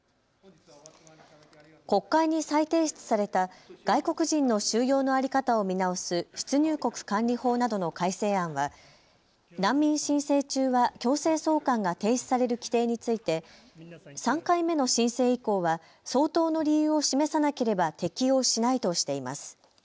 国会に再提出された外国人の収容の在り方を見直す出入国管理法などの改正案は難民申請中は強制送還が停止される規定について３回目の申請以降は相当の理由を示さなければ適用しないとしています。